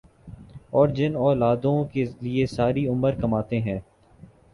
اور جن اولادوں کے لیئے ساری عمر کماتے ہیں